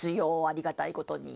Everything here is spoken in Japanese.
ありがたい事に。